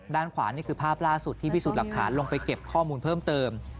ด้านขวานี่คือภาพล่าสุดที่พิสูจน์หลักฐานลงไปเก็บข้อมูลเพิ่มเติม